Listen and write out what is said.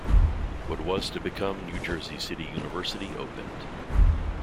What was to become New Jersey City University opened.